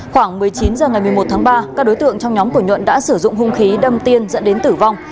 khoảng một mươi chín h ngày một mươi một tháng ba các đối tượng trong nhóm của nhuận đã sử dụng hung khí đâm tiên dẫn đến tử vong